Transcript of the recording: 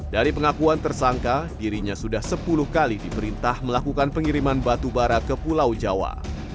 dari pengakuan tersangka dirinya sudah sepuluh kali diperintah melakukan pengiriman batu bara ke pulau jawa